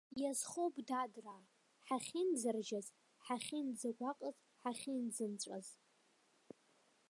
Иазхоуп, дадраа, ҳахьынӡаржьаз, ҳахьынӡагәаҟыз, ҳахьынӡанҵәаз!